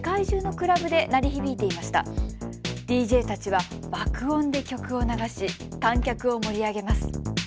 ＤＪたちは爆音で曲を流し観客を盛り上げます。